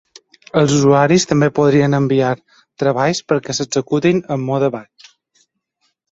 Els usuaris també podrien enviar treballs perquè s'executin en mode "batch".